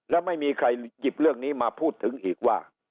แล้วไม่มีใครหยิบเรื่องนี้มาพูดถึงอีกว่า